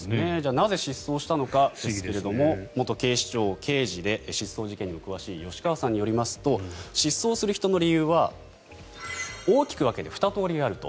なぜ、失踪したのか不思議ですけれども元警視庁刑事で失踪事件に詳しい吉川さんによりますと失踪する人の理由は大きく分けて２通りあると。